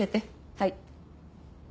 はい。